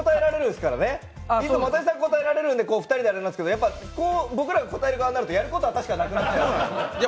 いつも又吉さんが答えられるのでできますけど、僕らが答える側になると又吉さんがやることなくなっちゃう。